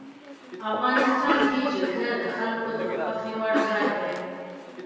افغانستان کې جلګه د خلکو د خوښې وړ ځای دی.